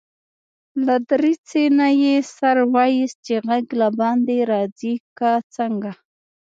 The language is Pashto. له دريڅې نه يې سر واېست چې غږ له باندي راځي که څنګه.